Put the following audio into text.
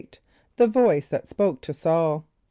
The Voice that Spoke to Saul.